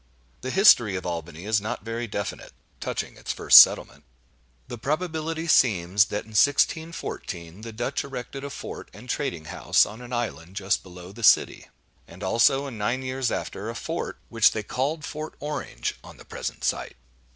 The history of Albany is not very definite, touching its first settlement. The probability seems, that, in 1614, the Dutch erected a fort and trading house on an island just below the city; and also, in nine years after, a fort, which they called Fort Orange, on the present site.